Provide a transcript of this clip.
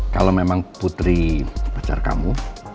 kalau memang putri pacar kamu